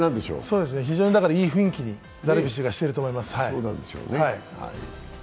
そうですね、非常にいい雰囲気にダルビッシュがしてると思います。